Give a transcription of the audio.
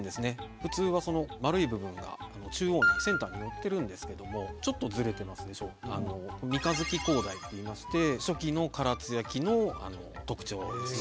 普通はその丸い部分が中央にセンターに寄ってるんですけどもちょっとずれてますでしょ「三日月高台」っていいまして初期の唐津焼の特徴ですね。